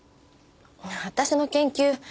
私の研究